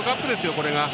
これが。